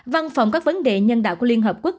văn phòng các vấn đề nhân đạo của liên hợp quốc